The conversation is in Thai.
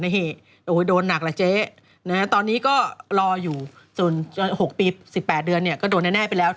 โอ้โหโดนหนักละเจ๊ตอนนี้ก็รออยู่จน๖ปี๑๘เดือนเนี่ยก็โดนแน่ไปแล้ว